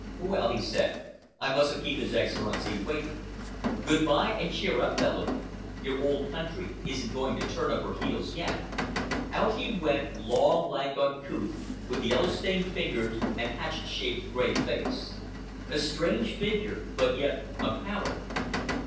"Well," he said, "I mustn't keep His Excellency waiting. Good bye, and cheer up, Bellamy! Your old country isn't going to turn up her heels yet." Out he went—long, lank, uncouth, with yellow stained fingers and hatchet shaped, gray face—a strange figure but yet a power.